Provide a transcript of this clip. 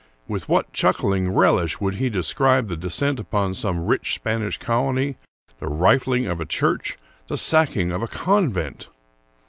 With what chuckling relish would he describe the descent upon some rich Spanish colony, the rifling of a church, the sacking of a convent